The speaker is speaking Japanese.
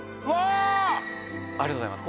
ありがとうございます